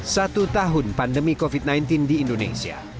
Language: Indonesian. satu tahun pandemi covid sembilan belas di indonesia